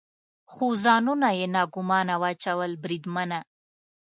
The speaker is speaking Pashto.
خو ځانونه یې ناګومانه واچول، بریدمنه.